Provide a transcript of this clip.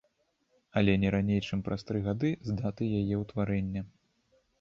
Але не раней чым праз тры гады з даты яе ўтварэння.